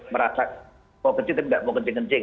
merasa mau kencing tapi tidak mau kencing kencing